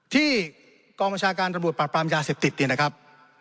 ที่กองประชาการตำรวจปราบปรามยาเสพติดเนี่ยนะครับ